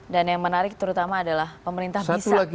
dan yang menarik terutama adalah pemerintah bisa memberikan sanksi